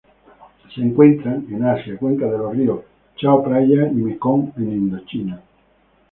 Se encuentran en Asia: cuencas de los ríos Chao Phraya y Mekong en Indochina.